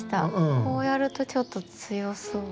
こうやるとちょっと強そう。